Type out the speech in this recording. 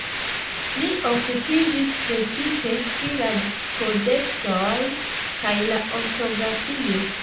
Li okupiĝis precipe pri la kodeksoj kaj la ortografio.